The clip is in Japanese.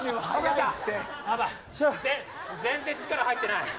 全然力入ってない。